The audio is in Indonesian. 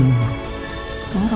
pusing banget ya pala